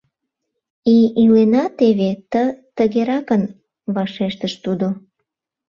— И-илена теве ты-тыгеракын, — вашештыш тудо.